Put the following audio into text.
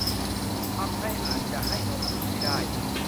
ทำให้อาจจะให้นมบุตรไม่ได้